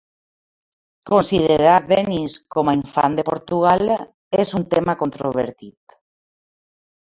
Considerar Denis com a "Infant de Portugal" és un tema controvertit.